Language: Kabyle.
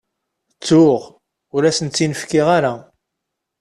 Ttuɣ, ur asent-tt-in-fkiɣ ara.